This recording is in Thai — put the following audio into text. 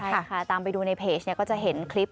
ใช่ค่ะตามไปดูในเพจเนี่ยก็จะเห็นคลิป